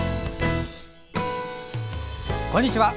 こんにちは。